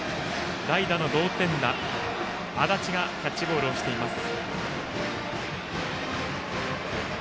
代打の同点打、安達がキャッチボールをしています。